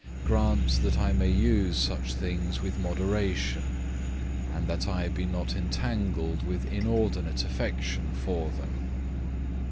Grant that I may use such things with moderation, and that I be not entangled with inordinate affection for them.